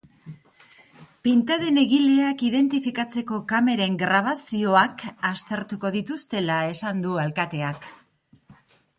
Pintaden egileak identifikatzeko kameren grabazioak aztertuko dituztela esan du alkateak.